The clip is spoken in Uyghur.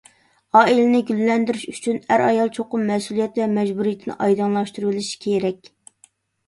ئائىلىنى گۈللەندۈرۈش ئۈچۈن، ئەر-ئايال چوقۇم مەسئۇلىيەت ۋە مەجبۇرىيىتىنى ئايدىڭلاشتۇرۇۋېلىشى كېرەك!